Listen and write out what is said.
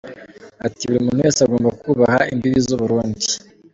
Ati "Buri muntu wese agomba kubaha imbibi z’u Burundi.